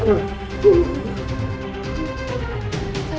sayang satu an cricket